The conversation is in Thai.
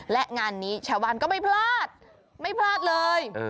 และงานนี้ชาวบ้านก็ไม่พลาดไม่พลาดเลย